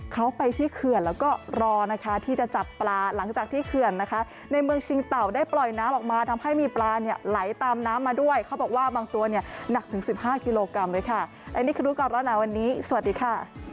เขาไปที่เขื่อนแล้วก็รอนะคะที่จะจับปลาหลังจากที่เขื่อนนะคะในเมืองชิงเต่าได้ปล่อยน้ำออกมาทำให้มีปลาเนี่ยไหลตามน้ำมาด้วยเขาบอกว่าบางตัวเนี่ยหนักถึงสิบห้ากิโลกรัมเลยค่ะและนี่คือรู้ก่อนร้อนหนาวันนี้สวัสดีค่ะ